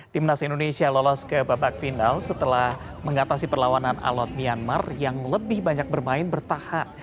timnas indonesia lolos ke babak final setelah mengatasi perlawanan alot myanmar yang lebih banyak bermain bertahan